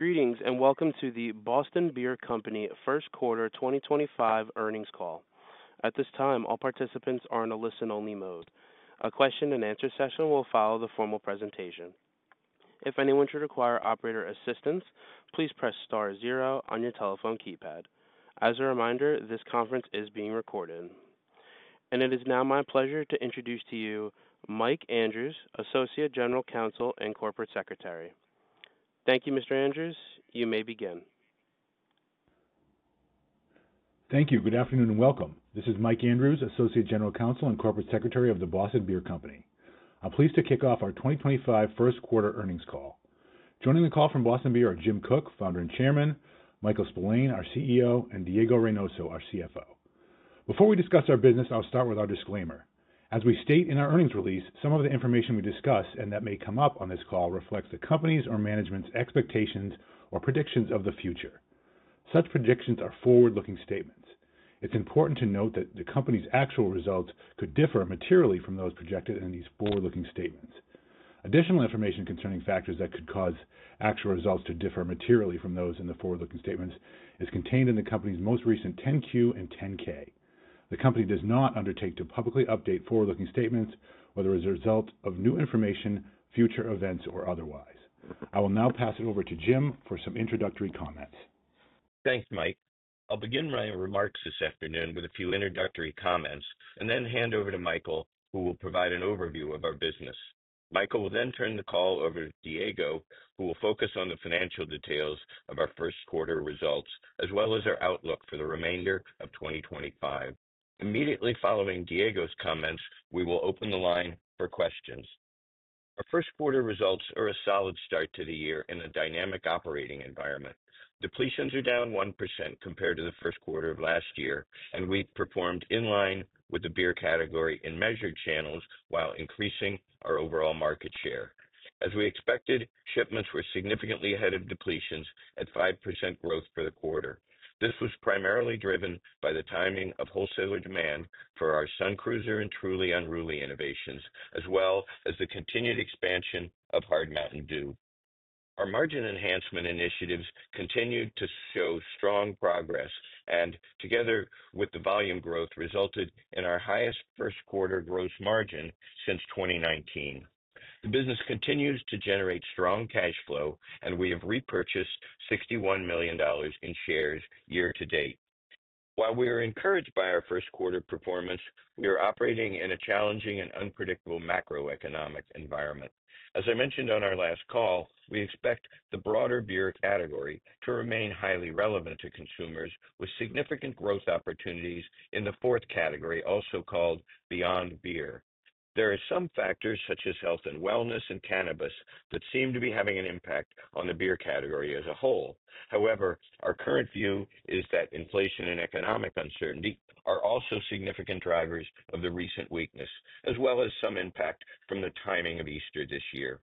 Greetings and welcome to the Boston Beer Company First Quarter 2025 earnings call. At this time, all participants are in a listen-only mode. A question-and-answer session will follow the formal presentation. If anyone should require operator assistance, please press star zero on your telephone keypad. As a reminder, this conference is being recorded. It is now my pleasure to introduce to you Mike Andrews, Associate General Counsel and Corporate Secretary. Thank you, Mr. Andrews. You may begin. Thank you. Good afternoon and welcome. This is Mike Andrews, Associate General Counsel and Corporate Secretary of the Boston Beer Company. I'm pleased to kick off our 2025 First Quarter earnings call. Joining the call from Boston Beer are Jim Koch, Founder and Chairman; Michael Spillane, our CEO; and Diego Reynoso, our CFO. Before we discuss our business, I'll start with our disclaimer. As we state in our earnings release, some of the information we discuss and that may come up on this call reflects the company's or management's expectations or predictions of the future. Such predictions are forward-looking statements. It's important to note that the company's actual results could differ materially from those projected in these forward-looking statements. Additional information concerning factors that could cause actual results to differ materially from those in the forward-looking statements is contained in the company's most recent 10-Q and 10-K. The company does not undertake to publicly update forward-looking statements whether as a result of new information, future events, or otherwise. I will now pass it over to Jim for some introductory comments. Thanks, Mike. I'll begin my remarks this afternoon with a few introductory comments and then hand over to Michael, who will provide an overview of our business. Michael will then turn the call over to Diego, who will focus on the financial details of our first quarter results as well as our outlook for the remainder of 2025. Immediately following Diego's comments, we will open the line for questions. Our first quarter results are a solid start to the year in a dynamic operating environment. Depletions are down 1% compared to the first quarter of last year, and we performed in line with the beer category in measured channels while increasing our overall market share. As we expected, shipments were significantly ahead of depletions at 5% growth for the quarter. This was primarily driven by the timing of wholesaler demand for our Sun Cruiser and Truly Unruly innovations, as well as the continued expansion of Hard Mountain Dew. Our margin enhancement initiatives continued to show strong progress, and together with the volume growth, resulted in our highest first quarter gross margin since 2019. The business continues to generate strong cash flow, and we have repurchased $61 million in shares year to date. While we are encouraged by our first quarter performance, we are operating in a challenging and unpredictable macroeconomic environment. As I mentioned on our last call, we expect the broader beer category to remain highly relevant to consumers, with significant growth opportunities in the fourth category, also called Beyond Beer. There are some factors such as health and wellness and cannabis that seem to be having an impact on the beer category as a whole. However, our current view is that inflation and economic uncertainty are also significant drivers of the recent weakness, as well as some impact from the timing of Easter this year.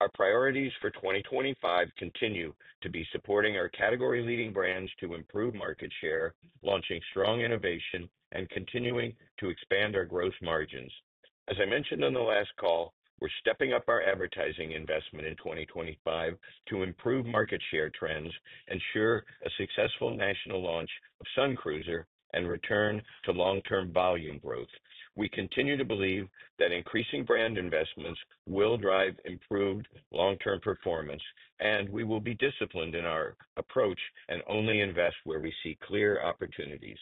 Our priorities for 2025 continue to be supporting our category-leading brands to improve market share, launching strong innovation, and continuing to expand our gross margins. As I mentioned on the last call, we're stepping up our advertising investment in 2025 to improve market share trends, ensure a successful national launch of Sun Cruiser, and return to long-term volume growth. We continue to believe that increasing brand investments will drive improved long-term performance, and we will be disciplined in our approach and only invest where we see clear opportunities.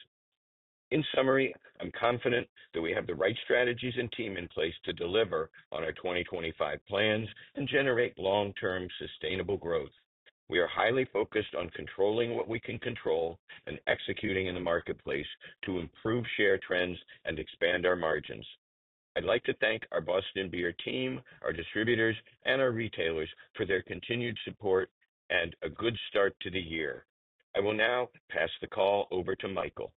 In summary, I'm confident that we have the right strategies and team in place to deliver on our 2025 plans and generate long-term sustainable growth. We are highly focused on controlling what we can control and executing in the marketplace to improve share trends and expand our margins. I'd like to thank our Boston Beer team, our distributors, and our retailers for their continued support and a good start to the year. I will now pass the call over to Michael.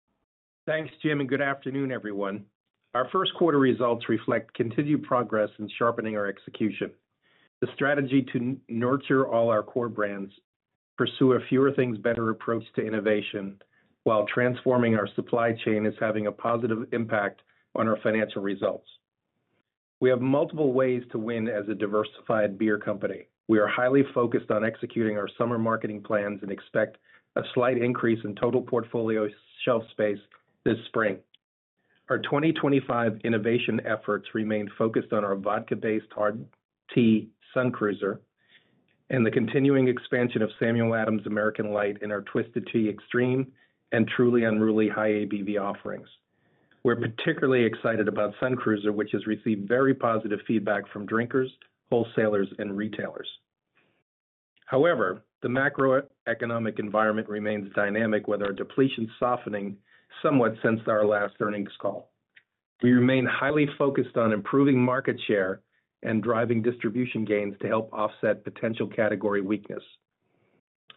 Thanks, Jim, and good afternoon, everyone. Our first quarter results reflect continued progress in sharpening our execution. The strategy to nurture all our core brands pursues a fewer things better approach to innovation while transforming our supply chain is having a positive impact on our financial results. We have multiple ways to win as a diversified beer company. We are highly focused on executing our summer marketing plans and expect a slight increase in total portfolio shelf space this spring. Our 2025 innovation efforts remain focused on our vodka-based hard tea, Sun Cruiser, and the continuing expansion of Samuel Adams American Light in our Twisted Tea Extreme and Truly Unruly high ABV offerings. We're particularly excited about Sun Cruiser, which has received very positive feedback from drinkers, wholesalers, and retailers. However, the macroeconomic environment remains dynamic, with our depletions softening somewhat since our last earnings call. We remain highly focused on improving market share and driving distribution gains to help offset potential category weakness.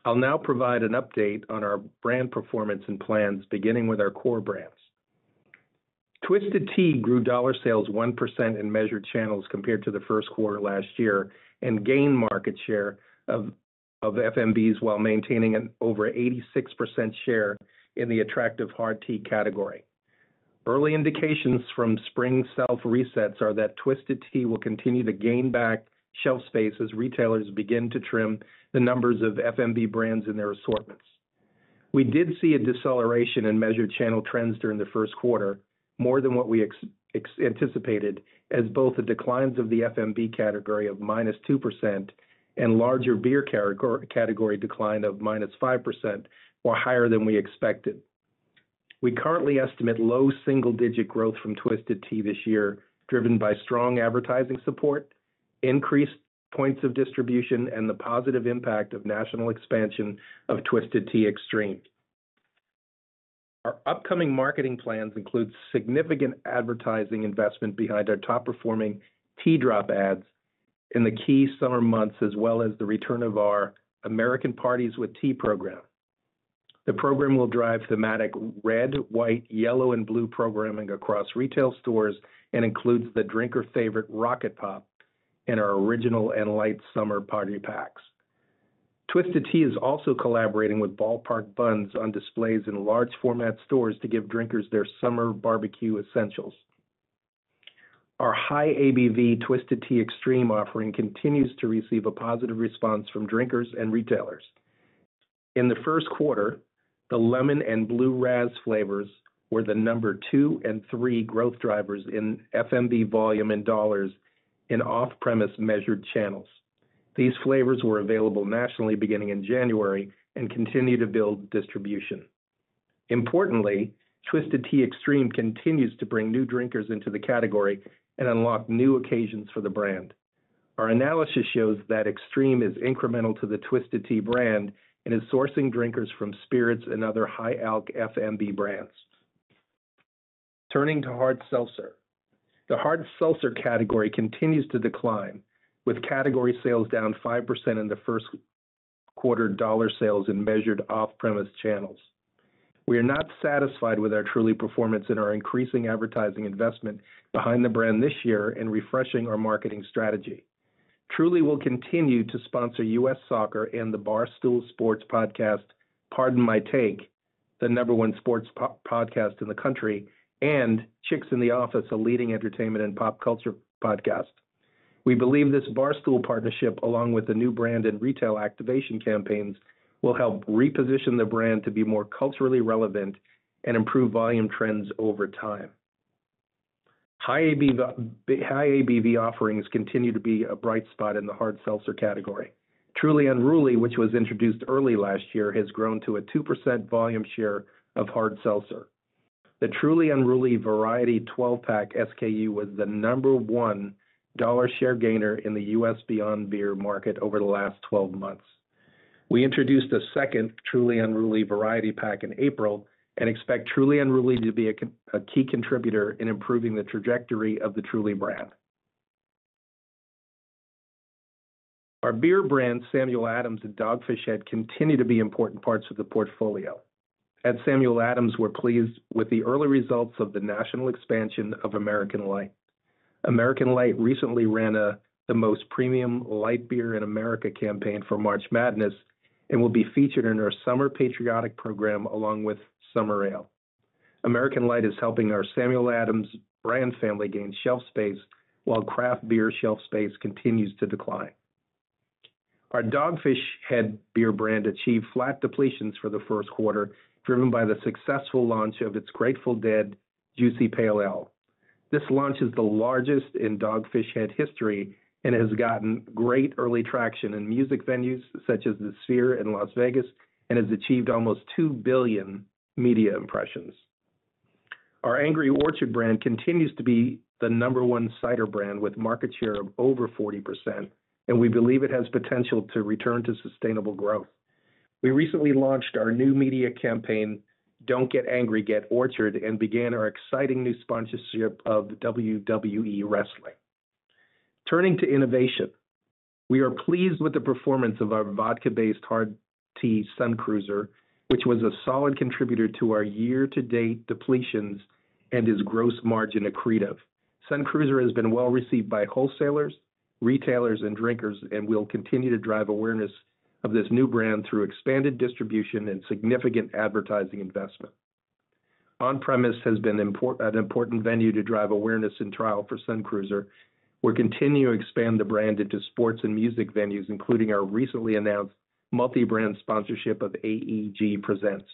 I'll now provide an update on our brand performance and plans, beginning with our core brands. Twisted Tea grew dollar sales 1% in measured channels compared to the first quarter last year and gained market share of FMBs while maintaining an over 86% share in the attractive hard tea category. Early indications from spring self-resets are that Twisted Tea will continue to gain back shelf space as retailers begin to trim the numbers of FMB brands in their assortments. We did see a deceleration in measured channel trends during the first quarter, more than what we anticipated, as both the declines of the FMV category of -2% and larger beer category decline of -5% were higher than we expected. We currently estimate low single-digit growth from Twisted Tea this year, driven by strong advertising support, increased points of distribution, and the positive impact of national expansion of Twisted Tea Extreme. Our upcoming marketing plans include significant advertising investment behind our top-performing tea drop ads in the key summer months, as well as the return of our American Parties with Tea program. The program will drive thematic red, white, yellow, and blue programming across retail stores and includes the drinker favorite Rocket Pop and our original and light summer party packs. Twisted Tea is also collaborating with Ball Park Buns on displays in large-format stores to give drinkers their summer barbecue essentials. Our high ABV Twisted Tea Extreme offering continues to receive a positive response from drinkers and retailers. In the first quarter, the Lemon and Blue Razz flavors were the number two and three growth drivers in FMB volume and dollars in off-premise measured channels. These flavors were available nationally beginning in January and continue to build distribution. Importantly, Twisted Tea Extreme continues to bring new drinkers into the category and unlock new occasions for the brand. Our analysis shows that Extreme is incremental to the Twisted Tea brand and is sourcing drinkers from spirits and other high-alc FMB brands. Turning to hard seltzer, the hard seltzer category continues to decline, with category sales down 5% in the first quarter dollar sales in measured off-premise channels. We are not satisfied with our Truly performance in our increasing advertising investment behind the brand this year and refreshing our marketing strategy. Truly will continue to sponsor U.S. Soccer and the Barstool Sports Podcast, Pardon My Take, the number one sports podcast in the country, and Chicks in the Office, a leading entertainment and pop culture podcast. We believe this Barstool partnership, along with the new brand and retail activation campaigns, will help reposition the brand to be more culturally relevant and improve volume trends over time. High ABV offerings continue to be a bright spot in the hard seltzer category. Truly Unruly, which was introduced early last year, has grown to a 2% volume share of hard seltzer. The Truly Unruly Variety 12-pack SKU was the number one dollar share gainer in the U.S. Beyond Beer market over the last 12 months. We introduced a second Truly Unruly Variety Pack in April and expect Truly Unruly to be a key contributor in improving the trajectory of the Truly brand. Our beer brands, Samuel Adams and Dogfish Head, continue to be important parts of the portfolio. At Samuel Adams, we're pleased with the early results of the national expansion of American Light. American Light recently ran the Most Premium Light Beer in America campaign for March Madness and will be featured in our summer patriotic program along with Summer Ale. American Light is helping our Samuel Adams brand family gain shelf space while craft beer shelf space continues to decline. Our Dogfish Head beer brand achieved flat depletions for the first quarter, driven by the successful launch of its Grateful Dead Juicy Pale Ale. This launch is the largest in Dogfish Head history and has gotten great early traction in music venues such as The Sphere in Las Vegas and has achieved almost 2 billion media impressions. Our Angry Orchard brand continues to be the number one cider brand with a market share of over 40%, and we believe it has potential to return to sustainable growth. We recently launched our new media campaign, Don't Get Angry, Get Orchard, and began our exciting new sponsorship of WWE Wrestling. Turning to innovation, we are pleased with the performance of our vodka-based hard tea, Sun Cruiser, which was a solid contributor to our year-to-date depletions and is gross margin accretive. Sun Cruiser has been well received by wholesalers, retailers, and drinkers, and will continue to drive awareness of this new brand through expanded distribution and significant advertising investment. On-premise has been an important venue to drive awareness and trial for Sun Cruiser. We're continuing to expand the brand into sports and music venues, including our recently announced multi-brand sponsorship of AEG Presents.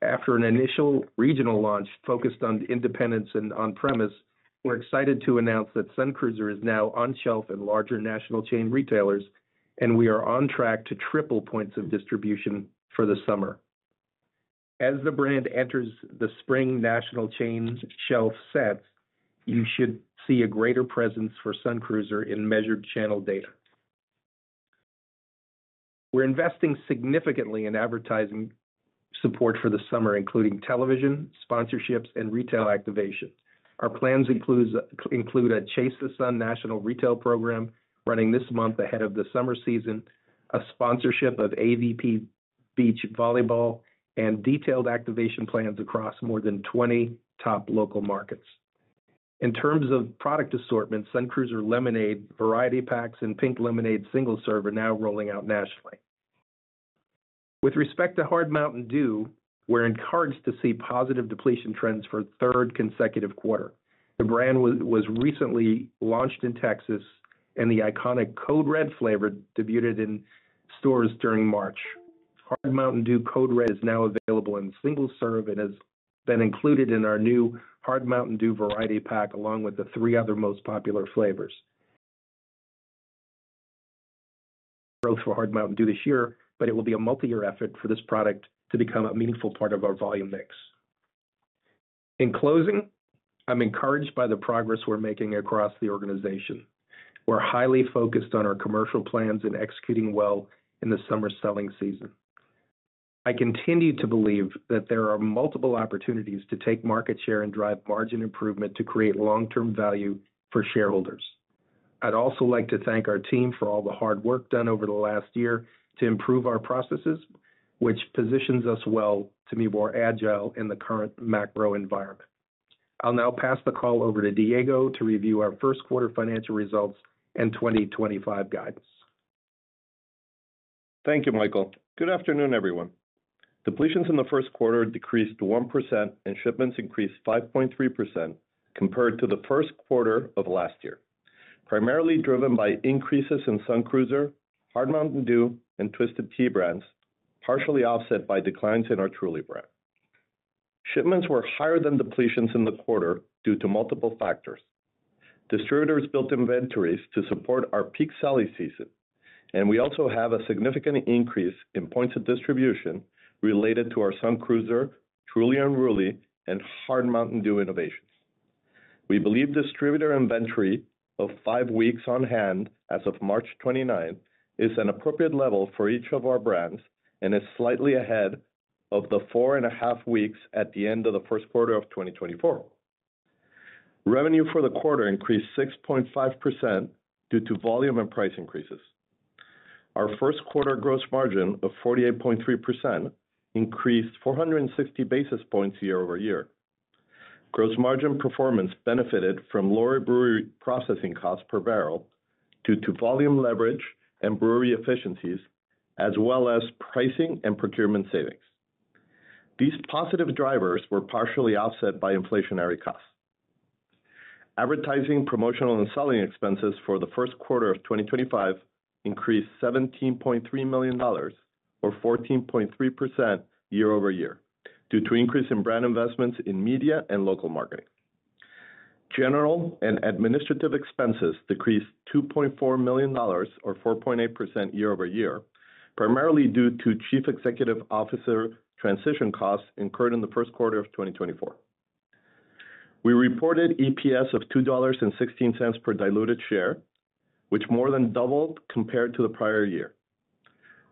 After an initial regional launch focused on independence and on-premise, we're excited to announce that Sun Cruiser is now on shelf in larger national chain retailers, and we are on track to triple points of distribution for the summer. As the brand enters the spring national chain shelf sets, you should see a greater presence for Sun Cruiser in measured channel data. We're investing significantly in advertising support for the summer, including television, sponsorships, and retail activation. Our plans include a Chase the Sun national retail program running this month ahead of the summer season, a sponsorship of AVP Beach Volleyball, and detailed activation plans across more than 20 top local markets. In terms of product assortment, Sun Cruiser Lemonade Variety Packs and Pink Lemonade Single Serve are now rolling out nationally. With respect to Hard Mountain Dew, we're encouraged to see positive depletion trends for the third consecutive quarter. The brand was recently launched in Texas, and the iconic Code Red flavor debuted in stores during March. Hard Mountain Dew Code Red is now available in single serve and has been included in our new Hard Mountain Dew Variety Pack along with the three other most popular flavors. Growth for Hard Mountain Dew this year, but it will be a multi-year effort for this product to become a meaningful part of our volume mix. In closing, I'm encouraged by the progress we're making across the organization. We're highly focused on our commercial plans and executing well in the summer selling season. I continue to believe that there are multiple opportunities to take market share and drive margin improvement to create long-term value for shareholders. I'd also like to thank our team for all the hard work done over the last year to improve our processes, which positions us well to be more agile in the current macro environment. I'll now pass the call over to Diego to review our first quarter financial results and 2025 guidance. Thank you, Michael. Good afternoon, everyone. Depletions in the first quarter decreased 1%, and shipments increased 5.3% compared to the first quarter of last year, primarily driven by increases in Sun Cruiser, Hard Mountain Dew, and Twisted Tea brands, partially offset by declines in our Truly brand. Shipments were higher than depletions in the quarter due to multiple factors. Distributors built inventories to support our peak selling season, and we also have a significant increase in points of distribution related to our Sun Cruiser, Truly Unruly, and Hard Mountain Dew innovations. We believe distributor inventory of five weeks on hand as of March 29 is an appropriate level for each of our brands and is slightly ahead of the four and a half weeks at the end of the first quarter of 2024. Revenue for the quarter increased 6.5% due to volume and price increases. Our first quarter gross margin of 48.3% increased 460 basis points year-over-year. Gross margin performance benefited from lower brewery processing costs per barrel due to volume leverage and brewery efficiencies, as well as pricing and procurement savings. These positive drivers were partially offset by inflationary costs. Advertising, promotional, and selling expenses for the first quarter of 2025 increased $17.3 million, or 14.3% year-over-year, due to increasing brand investments in media and local marketing. General and administrative expenses decreased $2.4 million, or 4.8% year-over-year, primarily due to Chief Executive Officer transition costs incurred in the first quarter of 2024. We reported EPS of $2.16 per diluted share, which more than doubled compared to the prior year.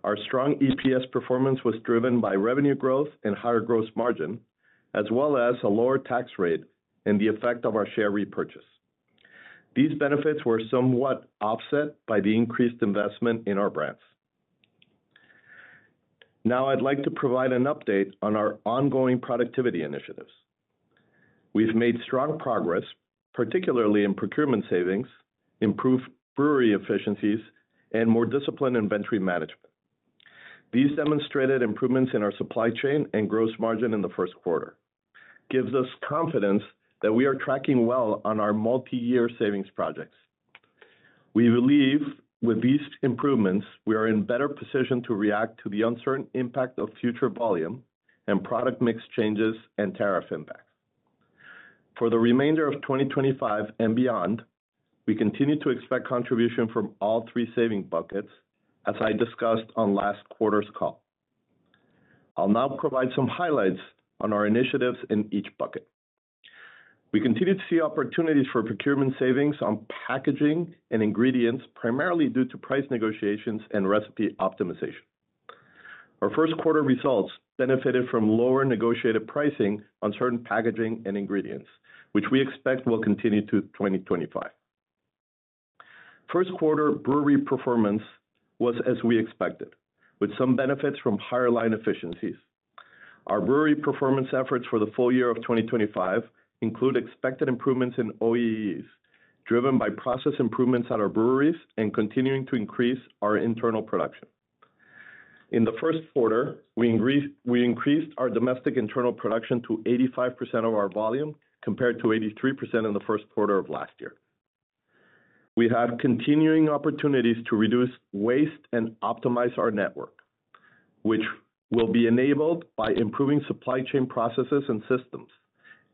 Our strong EPS performance was driven by revenue growth and higher gross margin, as well as a lower tax rate and the effect of our share repurchase. These benefits were somewhat offset by the increased investment in our brands. Now, I'd like to provide an update on our ongoing productivity initiatives. We've made strong progress, particularly in procurement savings, improved brewery efficiencies, and more disciplined inventory management. These demonstrated improvements in our supply chain and gross margin in the first quarter. It gives us confidence that we are tracking well on our multi-year savings projects. We believe with these improvements, we are in better position to react to the uncertain impact of future volume and product mix changes and tariff impacts. For the remainder of 2025 and beyond, we continue to expect contribution from all three saving buckets, as I discussed on last quarter's call. I'll now provide some highlights on our initiatives in each bucket. We continue to see opportunities for procurement savings on packaging and ingredients, primarily due to price negotiations and recipe optimization. Our first quarter results benefited from lower negotiated pricing on certain packaging and ingredients, which we expect will continue to 2025. First quarter brewery performance was as we expected, with some benefits from higher line efficiencies. Our brewery performance efforts for the full year of 2025 include expected improvements in OEEs, driven by process improvements at our breweries and continuing to increase our internal production. In the first quarter, we increased our domestic internal production to 85% of our volume compared to 83% in the first quarter of last year. We have continuing opportunities to reduce waste and optimize our network, which will be enabled by improving supply chain processes and systems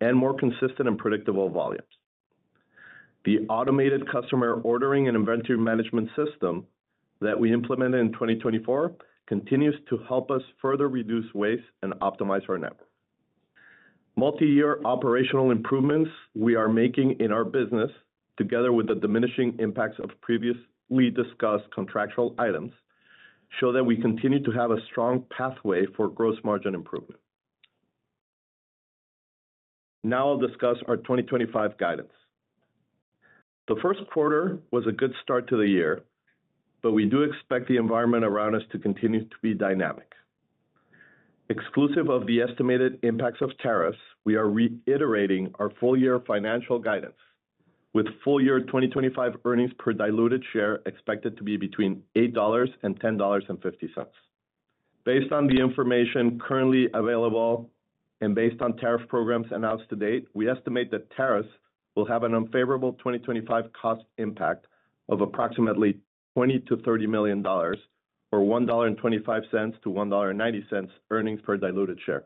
and more consistent and predictable volumes. The automated customer ordering and inventory management system that we implemented in 2024 continues to help us further reduce waste and optimize our network. Multi-year operational improvements we are making in our business, together with the diminishing impacts of previously discussed contractual items, show that we continue to have a strong pathway for gross margin improvement. Now I'll discuss our 2025 guidance. The first quarter was a good start to the year, but we do expect the environment around us to continue to be dynamic. Exclusive of the estimated impacts of tariffs, we are reiterating our full-year financial guidance, with full-year 2025 earnings per diluted share expected to be between $8 and $10.50. Based on the information currently available and based on tariff programs announced to date, we estimate that tariffs will have an unfavorable 2025 cost impact of approximately $20 million-$30 million, or $1.25-$1.90 earnings per diluted share.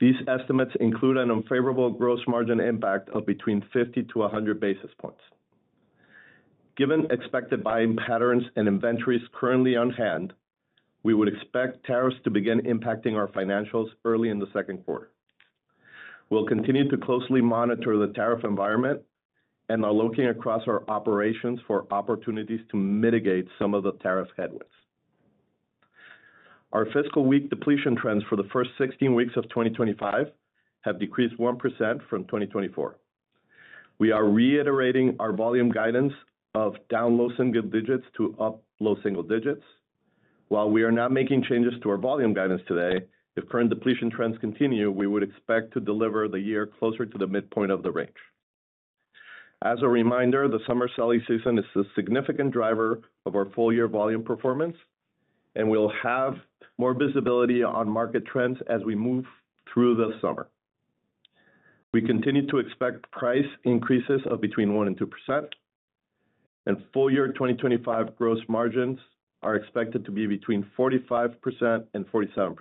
These estimates include an unfavorable gross margin impact of between 50 to 100 basis points. Given expected buying patterns and inventories currently on hand, we would expect tariffs to begin impacting our financials early in the second quarter. We'll continue to closely monitor the tariff environment and are looking across our operations for opportunities to mitigate some of the tariff headwinds. Our fiscal week depletion trends for the first 16 weeks of 2025 have decreased 1% from 2024. We are reiterating our volume guidance of down low single digits to up low single digits. While we are not making changes to our volume guidance today, if current depletion trends continue, we would expect to deliver the year closer to the midpoint of the range. As a reminder, the summer selling season is a significant driver of our full-year volume performance, and we'll have more visibility on market trends as we move through the summer. We continue to expect price increases of between 1% and 2%, and full-year 2025 gross margins are expected to be between 45% and 47%,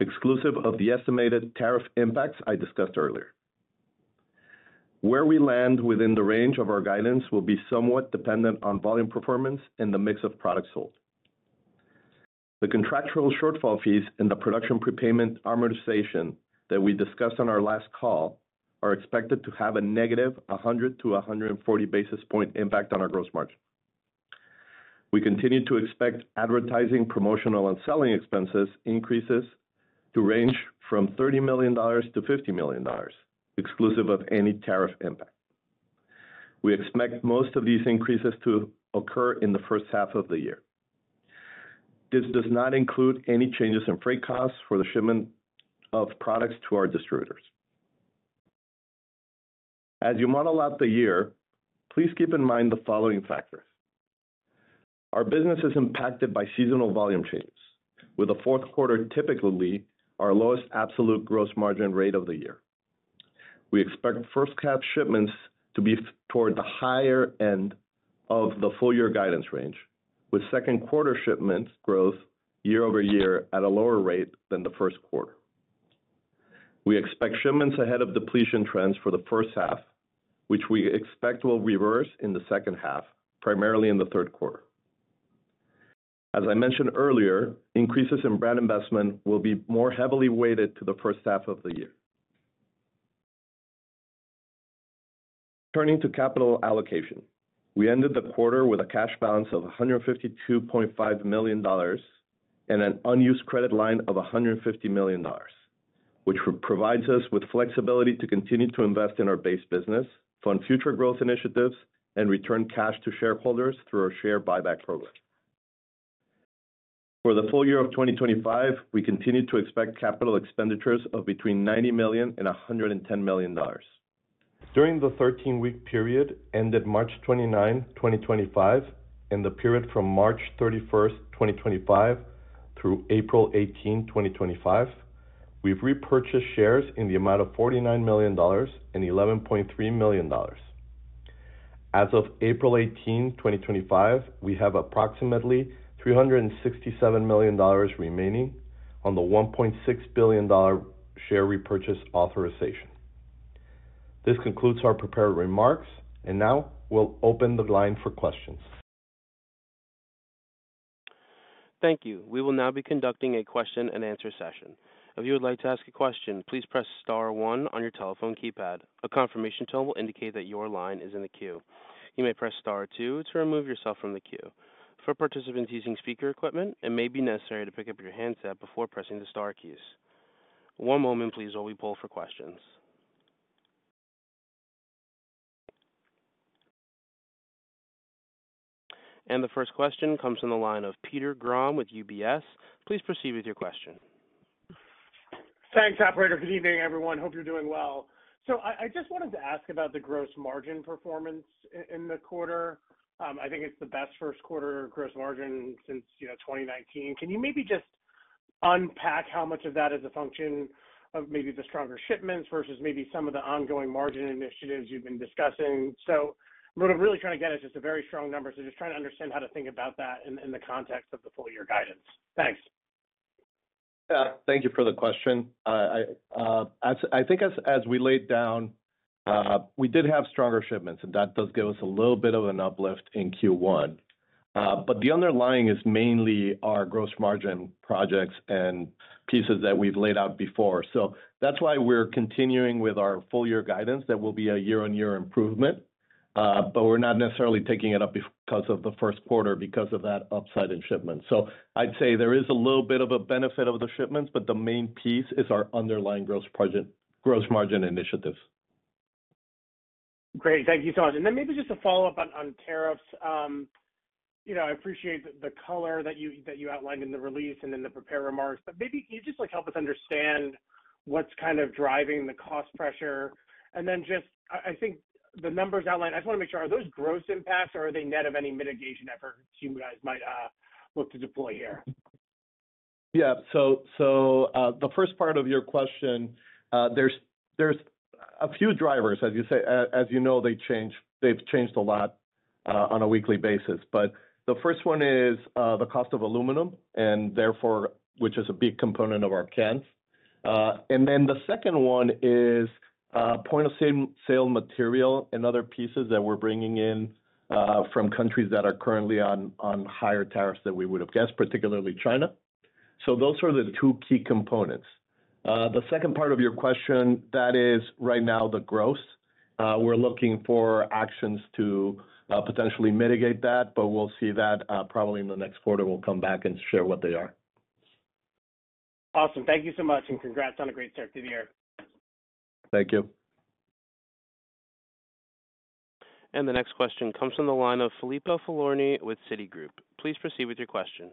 exclusive of the estimated tariff impacts I discussed earlier. Where we land within the range of our guidance will be somewhat dependent on volume performance and the mix of products sold. The contractual shortfall fees and the production prepayment amortization that we discussed on our last call are expected to have a negative 100 to 140 basis point impact on our gross margin. We continue to expect advertising, promotional, and selling expenses increases to range from $30 million to $50 million, exclusive of any tariff impact. We expect most of these increases to occur in the first half of the year. This does not include any changes in freight costs for the shipment of products to our distributors. As you model out the year, please keep in mind the following factors. Our business is impacted by seasonal volume changes, with the fourth quarter typically our lowest absolute gross margin rate of the year. We expect first-half shipments to be toward the higher end of the full-year guidance range, with second-quarter shipment growth year-over-year at a lower rate than the first quarter. We expect shipments ahead of depletion trends for the first half, which we expect will reverse in the second half, primarily in the third quarter. As I mentioned earlier, increases in brand investment will be more heavily weighted to the first half of the year. Turning to capital allocation, we ended the quarter with a cash balance of $152.5 million and an unused credit line of $150 million, which provides us with flexibility to continue to invest in our base business, fund future growth initiatives, and return cash to shareholders through our share buyback program. For the full year of 2025, we continue to expect capital expenditures of between $90 million and $110 million. During the 13-week period ended March 29, 2025, and the period from March 31, 2025, through April 18, 2025, we've repurchased shares in the amount of $49 million and $11.3 million. As of April 18, 2025, we have approximately $367 million remaining on the $1.6 billion share repurchase authorization. This concludes our prepared remarks, and now we'll open the line for questions. Thank you. We will now be conducting a question-and-answer session. If you would like to ask a question, please press Star one on your telephone keypad. A confirmation tone will indicate that your line is in the queue. You may press Star two to remove yourself from the queue. For participants using speaker equipment, it may be necessary to pick up your handset before pressing the Star keys. One moment, please, while we pull for questions. The first question comes from the line of Peter Grom with UBS. Please proceed with your question. Thanks, Operator. Good evening, everyone. Hope you're doing well. I just wanted to ask about the gross margin performance in the quarter. I think it's the best first quarter gross margin since 2019. Can you maybe just unpack how much of that is a function of maybe the stronger shipments versus maybe some of the ongoing margin initiatives you've been discussing? What I'm really trying to get is just a very strong number, so just trying to understand how to think about that in the context of the full-year guidance. Thanks. Yeah, thank you for the question. I think as we laid down, we did have stronger shipments, and that does give us a little bit of an uplift in Q1. The underlying is mainly our gross margin projects and pieces that we've laid out before. That is why we're continuing with our full-year guidance that will be a year-on-year improvement, but we're not necessarily taking it up because of the first quarter because of that upside in shipments. I'd say there is a little bit of a benefit of the shipments, but the main piece is our underlying gross margin initiatives. Great. Thank you so much. Maybe just a follow-up on tariffs. I appreciate the color that you outlined in the release and in the prepared remarks, but maybe can you just help us understand what's kind of driving the cost pressure? I think the numbers outlined, I just want to make sure, are those gross impacts or are they net of any mitigation efforts you guys might look to deploy here? Yeah. The first part of your question, there are a few drivers. As you know, they have changed a lot on a weekly basis. The first one is the cost of aluminum, which is a big component of our cans. The second one is point-of-sale material and other pieces that we are bringing in from countries that are currently on higher tariffs than we would have guessed, particularly China. Those are the two key components. The second part of your question, that is right now the gross. We are looking for actions to potentially mitigate that, but we will see that probably in the next quarter. We will come back and share what they are. Awesome. Thank you so much, and congrats on a great start to the year. Thank you. The next question comes from the line of Filippo Falorni with Citigroup. Please proceed with your question.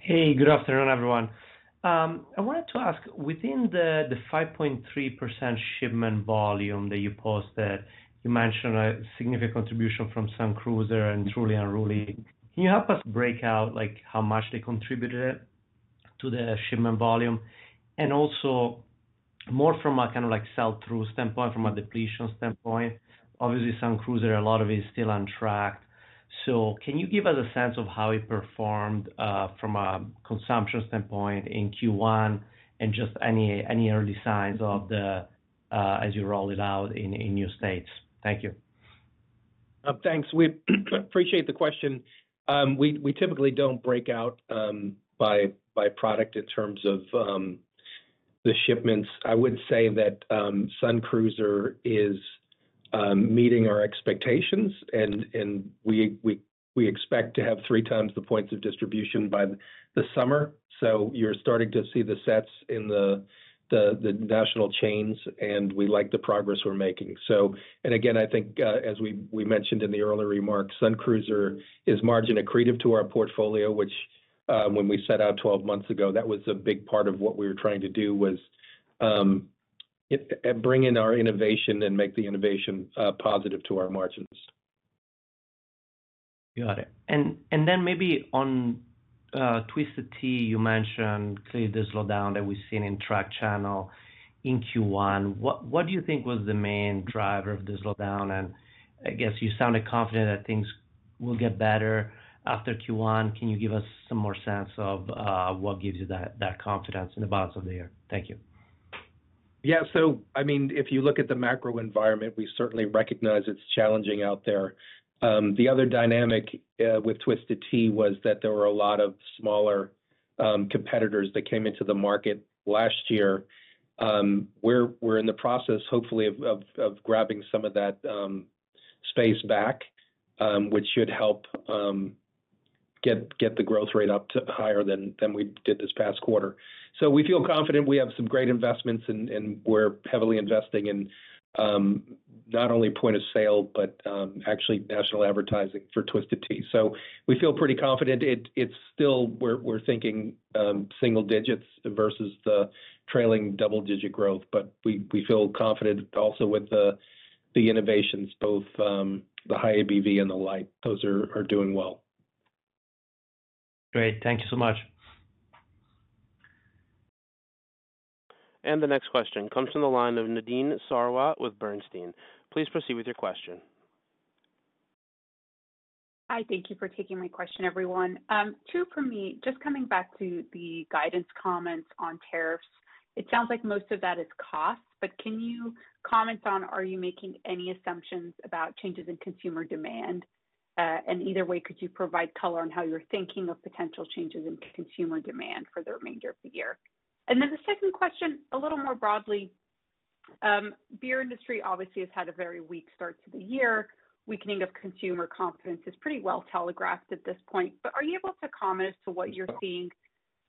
Hey, good afternoon, everyone. I wanted to ask, within the 5.3% shipment volume that you posted, you mentioned a significant contribution from Sun Cruiser and Truly Unruly. Can you help us break out how much they contributed to the shipment volume? Also, more from a kind of sell-through standpoint, from a depletion standpoint. Obviously, Sun Cruiser, a lot of it is still untracked. Can you give us a sense of how it performed from a consumption standpoint in Q1 and just any early signs as you roll it out in new states? Thank you. Thanks. We appreciate the question. We typically do not break out by product in terms of the shipments. I would say that Sun Cruiser is meeting our expectations, and we expect to have three times the points of distribution by the summer. You are starting to see the sets in the national chains, and we like the progress we are making. I think, as we mentioned in the earlier remarks, Sun Cruiser is margin accretive to our portfolio, which when we set out 12 months ago, that was a big part of what we were trying to do was bring in our innovation and make the innovation positive to our margins. Got it. Then maybe on Twisted Tea, you mentioned clearly the slowdown that we've seen in track channel in Q1. What do you think was the main driver of this slowdown? I guess you sounded confident that things will get better after Q1. Can you give us some more sense of what gives you that confidence in the balance of the year? Thank you. Yeah. So I mean, if you look at the macro environment, we certainly recognize it's challenging out there. The other dynamic with Twisted Tea was that there were a lot of smaller competitors that came into the market last year. We're in the process, hopefully, of grabbing some of that space back, which should help get the growth rate up to higher than we did this past quarter. We feel confident we have some great investments, and we're heavily investing in not only point of sale, but actually national advertising for Twisted Tea. We feel pretty confident. We're thinking single digits versus the trailing double-digit growth, but we feel confident also with the innovations, both the high ABV and the light. Those are doing well. Great. Thank you so much. The next question comes from the line of Nadine Sarwat with Bernstein. Please proceed with your question. Hi. Thank you for taking my question, everyone. Two for me. Just coming back to the guidance comments on tariffs, it sounds like most of that is cost, but can you comment on, are you making any assumptions about changes in consumer demand? Either way, could you provide color on how you're thinking of potential changes in consumer demand for the remainder of the year? The second question, a little more broadly, beer industry obviously has had a very weak start to the year. Weakening of consumer confidence is pretty well telegraphed at this point. Are you able to comment as to what you're seeing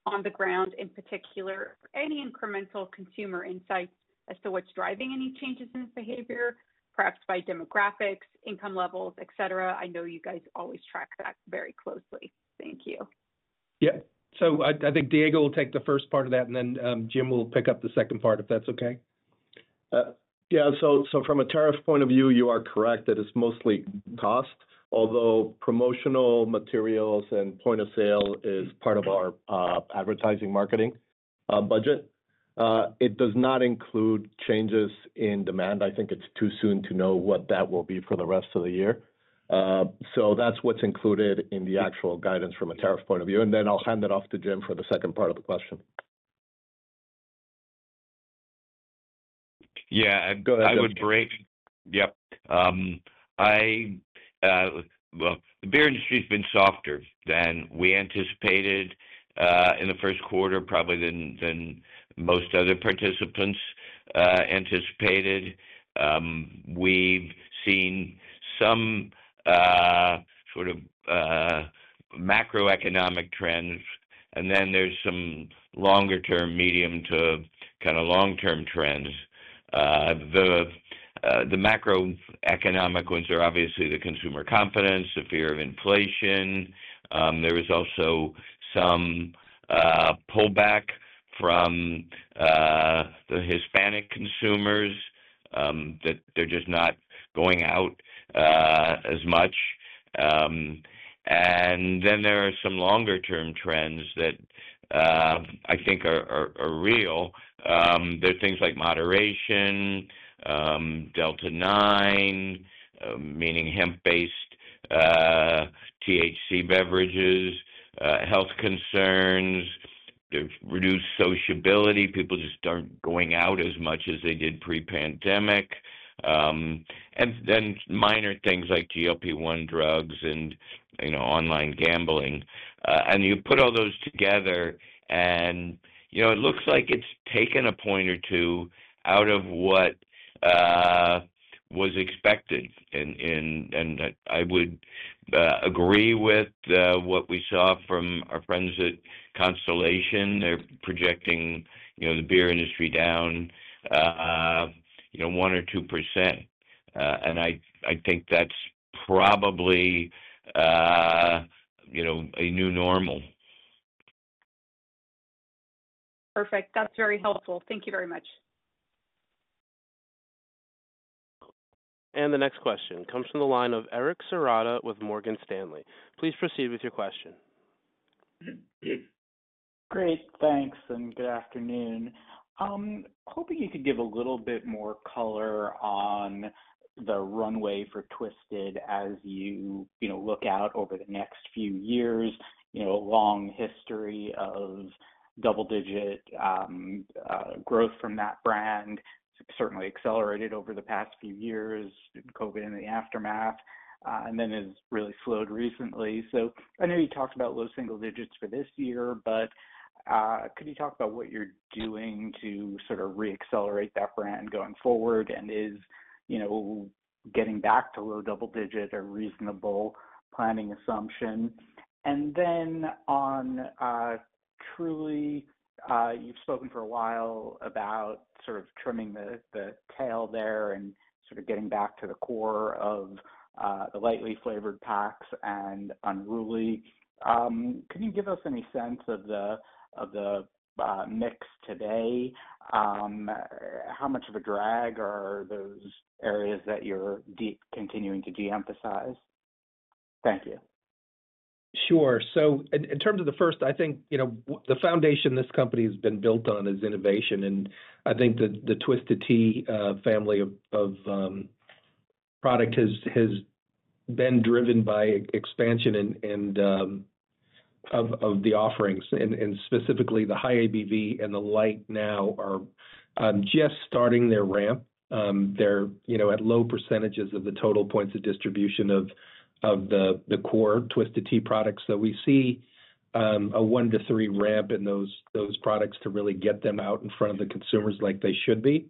on the ground, in particular, any incremental consumer insights as to what's driving any changes in behavior, perhaps by demographics, income levels, etc.? I know you guys always track that very closely. Thank you. Yeah. I think Diego will take the first part of that, and then Jim will pick up the second part, if that's okay. Yeah. From a tariff point of view, you are correct that it's mostly cost, although promotional materials and point of sale is part of our advertising marketing budget. It does not include changes in demand. I think it's too soon to know what that will be for the rest of the year. That's what's included in the actual guidance from a tariff point of view. I'll hand it off to Jim for the second part of the question. Yeah. I would break. Yep. The beer industry has been softer than we anticipated in the first quarter, probably than most other participants anticipated. We've seen some sort of macroeconomic trends, and then there's some longer-term, medium-term, kind of long-term trends. The macroeconomic ones are obviously the consumer confidence, the fear of inflation. There is also some pullback from the Hispanic consumers that they're just not going out as much. There are some longer-term trends that I think are real. There are things like moderation, Delta 9, meaning hemp-based THC beverages, health concerns, reduced sociability. People just aren't going out as much as they did pre-pandemic. There are minor things like GLP-1 drugs and online gambling. You put all those together, and it looks like it's taken a point or two out of what was expected. I would agree with what we saw from our friends at Constellation. They're projecting the beer industry down 1% or 2%. I think that's probably a new normal. Perfect. That's very helpful. Thank you very much. The next question comes from the line of Eric Serotta with Morgan Stanley. Please proceed with your question. Great. Thanks, and good afternoon. Hoping you could give a little bit more color on the runway for Twisted as you look out over the next few years, a long history of double-digit growth from that brand, certainly accelerated over the past few years, COVID in the aftermath, and then has really slowed recently. I know you talked about low single digits for this year, but could you talk about what you're doing to sort of re-accelerate that brand going forward, and is getting back to low double-digit a reasonable planning assumption? On Truly, you've spoken for a while about sort of trimming the tail there and sort of getting back to the core of the lightly flavored PACS and Unruly. Can you give us any sense of the mix today? How much of a drag are those areas that you're continuing to de-emphasize? Thank you. Sure. In terms of the first, I think the foundation this company has been built on is innovation. I think the Twisted Tea family of product has been driven by expansion of the offerings. Specifically, the high ABV and the light now are just starting their ramp. They're at low percentages of the total points of distribution of the core Twisted Tea products. We see a one to three ramp in those products to really get them out in front of the consumers like they should be.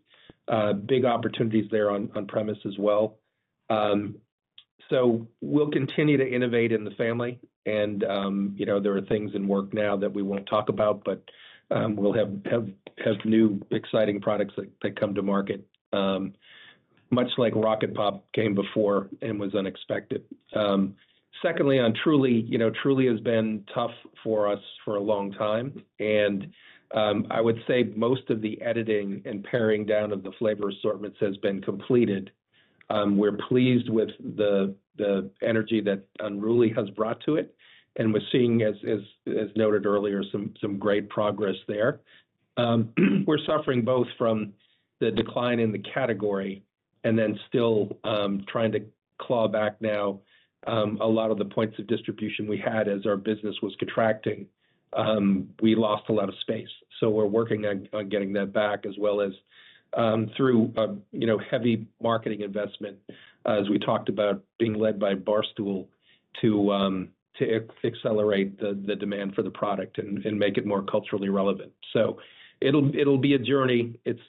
Big opportunities there on premise as well. We'll continue to innovate in the family. There are things in work now that we won't talk about, but we'll have new exciting products that come to market, much like Rocket Pop came before and was unexpected. Secondly, on Truly, Truly has been tough for us for a long time. I would say most of the editing and paring down of the flavor assortments has been completed. We're pleased with the energy that Unruly has brought to it. We're seeing, as noted earlier, some great progress there. We're suffering both from the decline in the category and then still trying to claw back now. A lot of the points of distribution we had as our business was contracting, we lost a lot of space. We're working on getting that back as well as through heavy marketing investment, as we talked about, being led by Barstool to accelerate the demand for the product and make it more culturally relevant. It'll be a journey. It's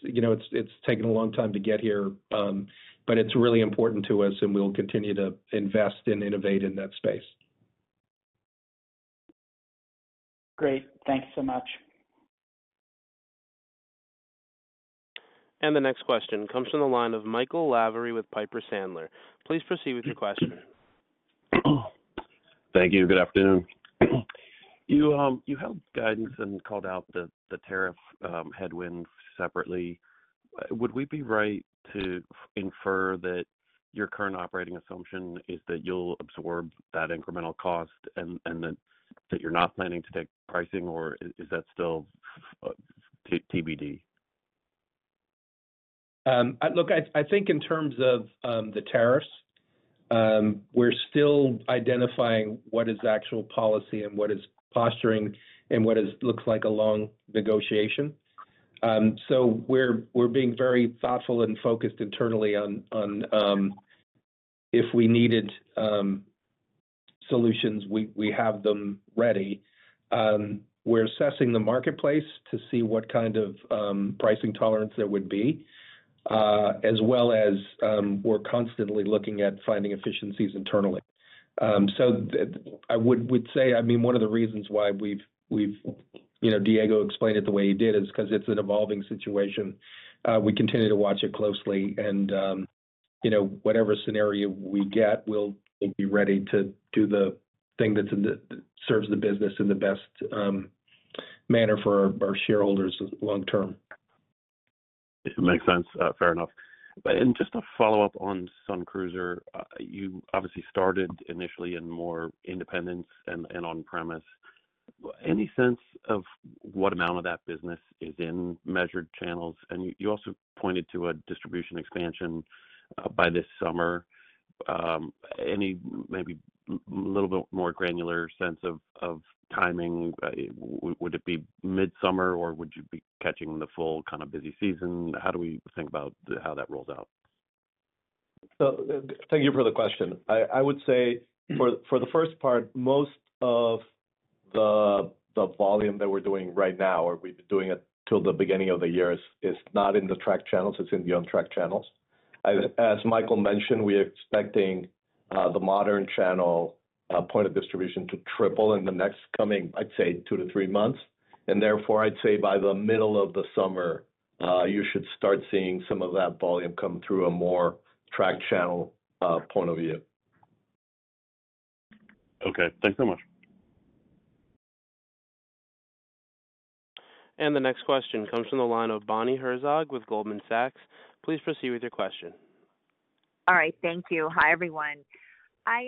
taken a long time to get here, but it's really important to us, and we'll continue to invest and innovate in that space. Great. Thank you so much. The next question comes from the line of Michael Lavery with Piper Sandler. Please proceed with your question. Thank you. Good afternoon. You held guidance and called out the tariff headwind separately. Would we be right to infer that your current operating assumption is that you'll absorb that incremental cost and that you're not planning to take pricing, or is that still TBD? Look, I think in terms of the tariffs, we're still identifying what is actual policy and what is posturing and what looks like a long negotiation. We are being very thoughtful and focused internally on if we needed solutions, we have them ready. We are assessing the marketplace to see what kind of pricing tolerance there would be, as well as we are constantly looking at finding efficiencies internally. I would say, I mean, one of the reasons why Diego explained it the way he did is because it is an evolving situation. We continue to watch it closely. Whatever scenario we get, we will be ready to do the thing that serves the business in the best manner for our shareholders long-term. It makes sense. Fair enough. Just to follow up on Sun Cruiser, you obviously started initially in more independence and on-premise. Any sense of what amount of that business is in measured channels? You also pointed to a distribution expansion by this summer. Any maybe a little bit more granular sense of timing? Would it be midsummer, or would you be catching the full kind of busy season? How do we think about how that rolls out? Thank you for the question. I would say for the first part, most of the volume that we're doing right now, or we've been doing till the beginning of the year, is not in the tracked channels. It's in the untracked channels. As Michael mentioned, we are expecting the modern channel point of distribution to triple in the next coming, I'd say, two to three months. Therefore, I'd say by the middle of the summer, you should start seeing some of that volume come through a more track channel point of view. Okay. Thanks so much. The next question comes from the line of Bonnie Herzog with Goldman Sachs. Please proceed with your question. All right. Thank you. Hi, everyone. I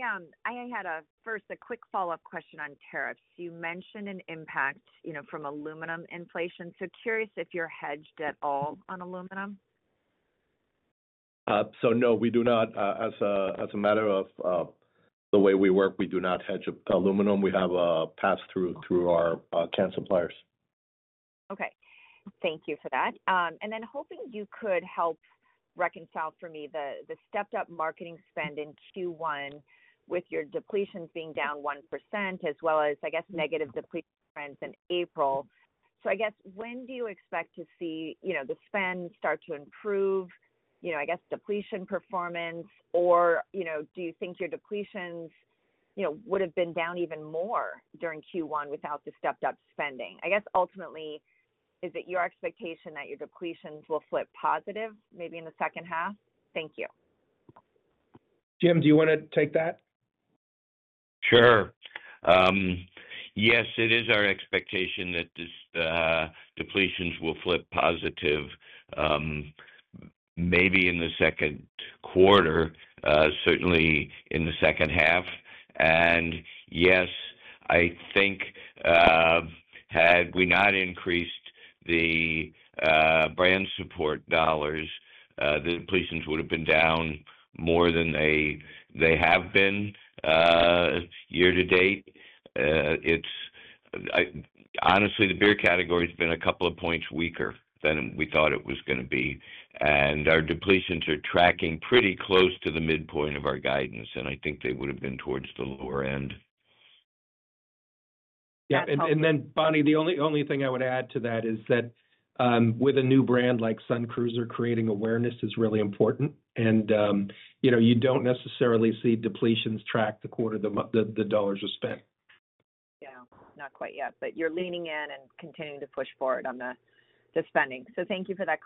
had first a quick follow-up question on tariffs. You mentioned an impact from aluminum inflation. Curious if you're hedged at all on aluminum. No, we do not. As a matter of the way we work, we do not hedge aluminum. We have a pass-through through our can suppliers. Okay. Thank you for that. Hoping you could help reconcile for me the stepped-up marketing spend in Q1 with your depletions being down 1%, as well as, I guess, negative depletion trends in April. I guess when do you expect to see the spend start to improve, I guess, depletion performance? Do you think your depletions would have been down even more during Q1 without the stepped-up spending? I guess ultimately, is it your expectation that your depletions will flip positive maybe in the second half? Thank you. Jim, do you want to take that? Sure. Yes, it is our expectation that depletions will flip positive maybe in the second quarter, certainly in the second half. Yes, I think had we not increased the brand support dollars, the depletions would have been down more than they have been year to date. Honestly, the beer category has been a couple of points weaker than we thought it was going to be. Our depletions are tracking pretty close to the midpoint of our guidance, and I think they would have been towards the lower end. Yeah. Bonnie, the only thing I would add to that is that with a new brand like Sun Cruiser, creating awareness is really important. You do not necessarily see depletions track the quarter the dollars are spent. Yeah. Not quite yet, but you're leaning in and continuing to push forward on the spending. Thank you for that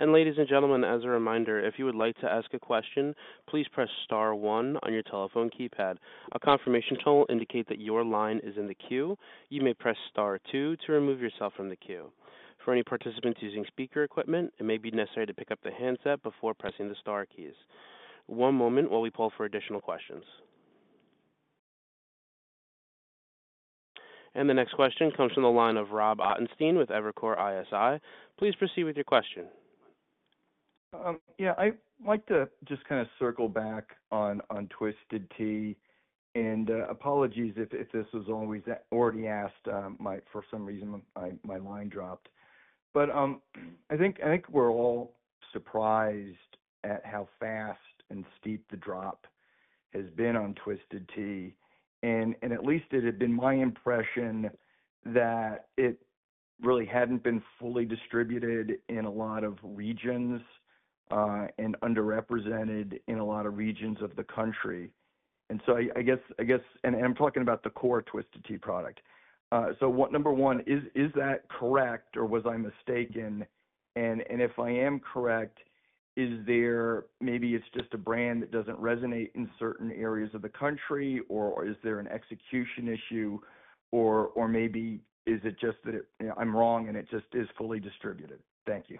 color. Ladies and gentlemen, as a reminder, if you would like to ask a question, please press Star one on your telephone keypad. A confirmation tone will indicate that your line is in the queue. You may press Star two to remove yourself from the queue. For any participants using speaker equipment, it may be necessary to pick up the handset before pressing the Star keys. One moment while we pull for additional questions. The next question comes from the line of Robert Ottenstein with Evercore ISI. Please proceed with your question. Yeah. I'd like to just kind of circle back on Twisted Tea. Apologies if this was already asked. For some reason, my line dropped. I think we're all surprised at how fast and steep the drop has been on Twisted Tea. At least it had been my impression that it really had not been fully distributed in a lot of regions and underrepresented in a lot of regions of the country. I guess, and I'm talking about the core Twisted Tea product. Number one, is that correct, or was I mistaken? If I am correct, is there maybe it's just a brand that does not resonate in certain areas of the country, or is there an execution issue, or maybe is it just that I'm wrong and it just is fully distributed? Thank you.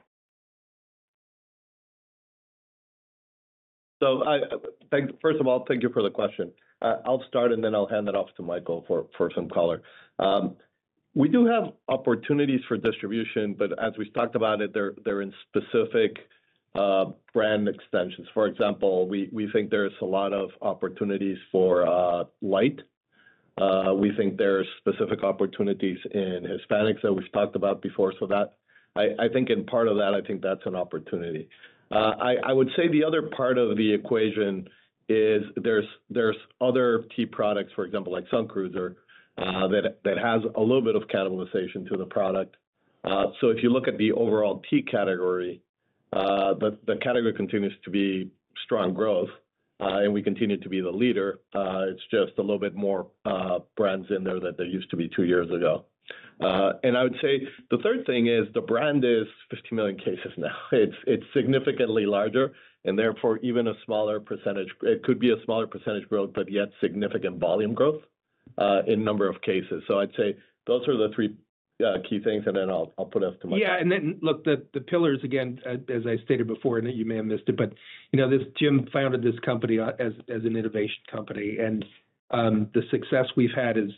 First of all, thank you for the question. I'll start, and then I'll hand that off to Michael for some color. We do have opportunities for distribution, but as we've talked about it, they're in specific brand extensions. For example, we think there's a lot of opportunities for light. We think there are specific opportunities in Hispanics that we've talked about before. I think in part of that, I think that's an opportunity. I would say the other part of the equation is there's other tea products, for example, like Sun Cruiser, that has a little bit of cannibalization to the product. If you look at the overall tea category, the category continues to be strong growth, and we continue to be the leader. It's just a little bit more brands in there than there used to be two years ago. I would say the third thing is the brand is 50 million cases now. It is significantly larger, and therefore, even a smaller percentage growth could be a smaller percentage growth, but yet significant volume growth in number of cases. I would say those are the three key things, and then I will put us to my side. Yeah. Look, the pillars, again, as I stated before, and you may have missed it, but Jim founded this company as an innovation company. The success we've had is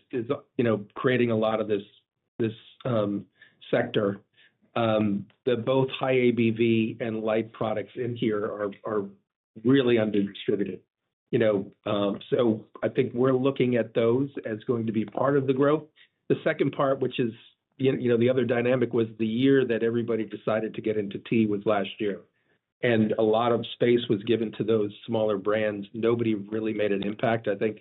creating a lot of this sector. Both high ABV and light products in here are really underdistributed. I think we're looking at those as going to be part of the growth. The second part, which is the other dynamic, was the year that everybody decided to get into tea was last year. A lot of space was given to those smaller brands. Nobody really made an impact. I think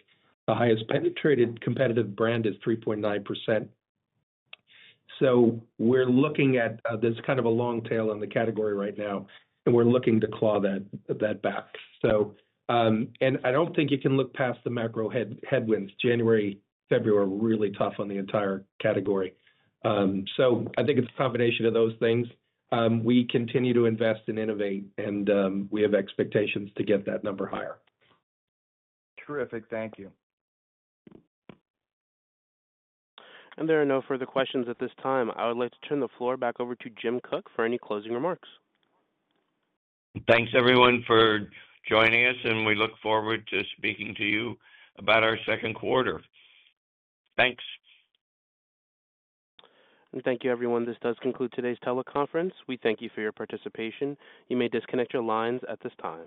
the highest penetrated competitive brand is 3.9%. We're looking at there's kind of a long tail in the category right now, and we're looking to claw that back. I do not think you can look past the macro headwinds. January, February are really tough on the entire category. I think it's a combination of those things. We continue to invest and innovate, and we have expectations to get that number higher. Terrific. Thank you. There are no further questions at this time. I would like to turn the floor back over to Jim Koch for any closing remarks. Thanks, everyone, for joining us, and we look forward to speaking to you about our second quarter. Thanks. Thank you, everyone. This does conclude today's teleconference. We thank you for your participation. You may disconnect your lines at this time.